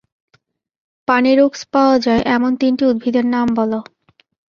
পানিরুক্স পাওয়া যায় এমন তিনটি উদ্ভিদের নামবল?